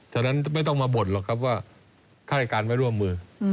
ฉะนั้นไม่ต้องมาบ่นหรอกครับว่าข้าราชการไม่ร่วมมือ